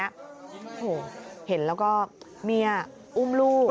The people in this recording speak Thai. โอ้โหเห็นแล้วก็เมียอุ้มลูก